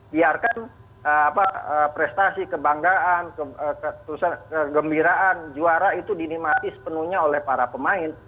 biarkan prestasi kebanggaan kegembiraan juara itu dinikmati sepenuhnya oleh para pemain